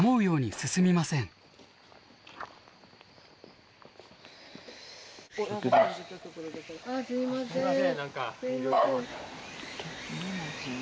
すいません何か。